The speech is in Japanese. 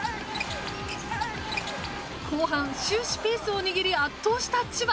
後半終始ペースを握り圧倒した千葉。